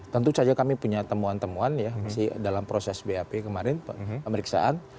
tentu saja kami punya temuan temuan ya masih dalam proses bap kemarin pemeriksaan